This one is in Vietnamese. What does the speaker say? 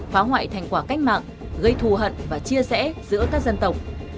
phá hoại thành quả cách mạng gây thù hận và chia rẽ giữa các dân tộc